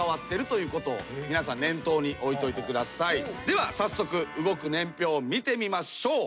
では早速動く年表見てみましょう。